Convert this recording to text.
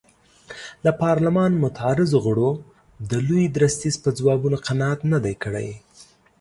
د پارلمان معترضو غړو د لوی درستیز په ځوابونو قناعت نه دی کړی.